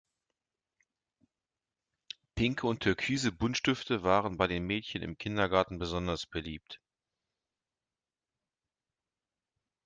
Pinke und türkise Buntstifte waren bei den Mädchen im Kindergarten besonders beliebt.